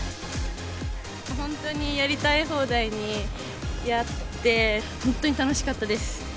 本当にやりたい放題にやって、本当に楽しかったです。